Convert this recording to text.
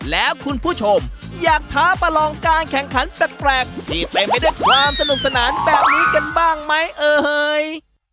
แล้วคุณผู้ชมอยากท้าประลองการแข่งขันแปลกที่เต็มไปด้วยความสนุกสนานแบบนี้กันบ้างไหมเอ่ย